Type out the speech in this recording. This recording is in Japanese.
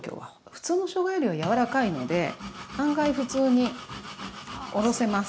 普通のしょうがよりは柔らかいので案外普通におろせます。